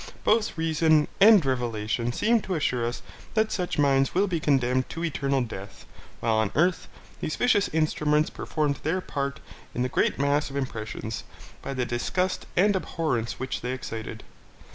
Both reason and revelation seem to assure us that such minds will be condemned to eternal death, but while on earth, these vicious instruments performed their part in the great mass of impressions, by the disgust and abhorrence which they excited.